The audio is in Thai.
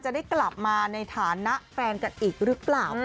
จะได้กลับมาในฐานะแฟนกันอีกหรือเปล่า